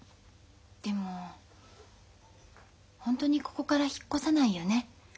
でもホントにここから引っ越さないよね？